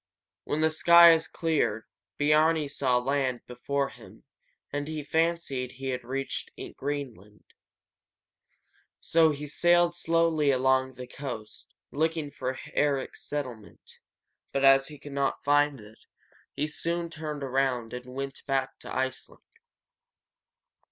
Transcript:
When the skies cleared Biarni saw land before him, and fancied he had reached Greenland. So he sailed slowly along the coast, looking for Eric's settlement; but, as he could not find it, he soon turned around and went back to Iceland.